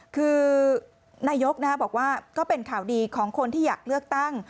คือนายกบอกว่าก็เป็นข่าวดีของคนที่อยากเลือกตั้ง